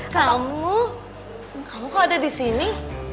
kamu kamu kok ada disini